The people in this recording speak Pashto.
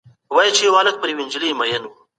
کمپيوټر پوهنه د منطقي فکر کولو توان پیاوړی کوي.